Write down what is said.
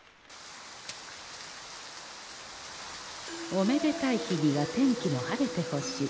「おめでたい日には天気も晴れてほしい。